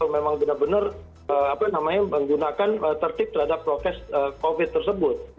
memang benar benar menggunakan tertib terhadap prokes covid tersebut